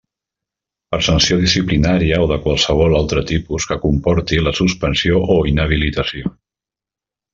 Per sanció disciplinària o de qualsevol altre tipus que comporte la suspensió o inhabilitació.